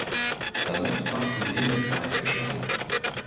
Damit war für sie der Kreis geschlossen.